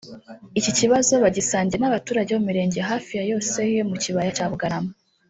Iki kibazo bagisangiye n’abaturage bo mu mirenge hafi ya yose yo mu kibaya cya Bugarama